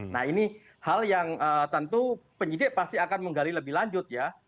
nah ini hal yang tentu penyidik pasti akan menggali lebih lanjut ya